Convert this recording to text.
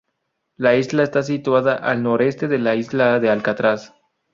La isla está situada al noreste de la isla de Alcatraz.